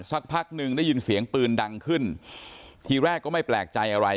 สักพักหนึ่งได้ยินเสียงปืนดังขึ้นทีแรกก็ไม่แปลกใจอะไร